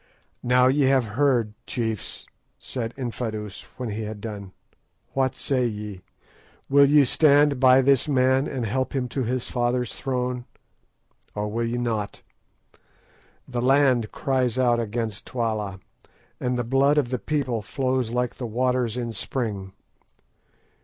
"Now ye have heard, chiefs," said Infadoos, when he had done, "what say ye: will ye stand by this man and help him to his father's throne, or will ye not? The land cries out against Twala, and the blood of the people flows like the waters in spring.